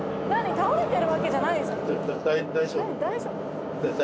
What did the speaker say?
倒れてるわけじゃないですよね。